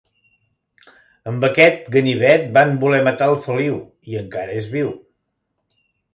Amb aquest ganivet van voler matar el Feliu i encara és viu.